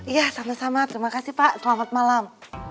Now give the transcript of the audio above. iya sama sama terima kasih pak selamat malam